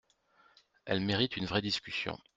Elle mérite une vraie discussion.